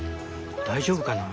大丈夫かな？